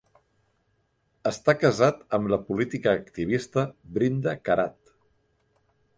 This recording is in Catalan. Està casat amb la política activista Brinda Karat.